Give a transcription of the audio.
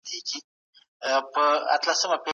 ایا نوي کروندګر ممیز ساتي؟